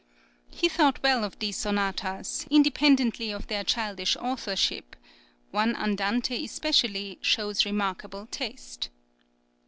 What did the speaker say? He thought well of these sonatas, independently of their childish authorship; one andante especially "shows remarkable taste."